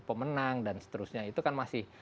pemenang dan seterusnya itu kan masih